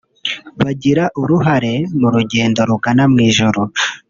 bagira uruhare mu rugendo rugana mu ijuru